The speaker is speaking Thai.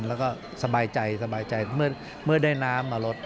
แล้วก็สบายใจเมื่อได้น้ำมาลด